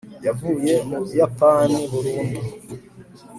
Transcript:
yavuye mu buyapani burundu